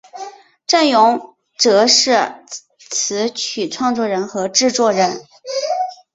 振永则是词曲创作人和制作人。